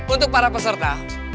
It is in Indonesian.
untuk para peserta